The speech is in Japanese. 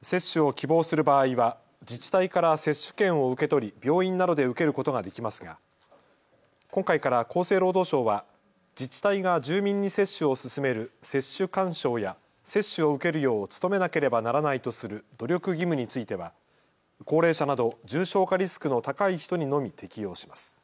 接種を希望する場合は自治体から接種券を受け取り病院などで受けることができますが今回から厚生労働省は自治体が住民に接種を勧める接種勧奨や接種を受けるよう努めなければならないとする努力義務については高齢者など重症化リスクの高い人にのみ適用します。